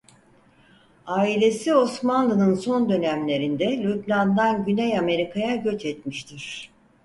Ailesi Osmanlı'nın son dönemlerinde Lübnan'dan Güney Amerika'ya göç etmiştir.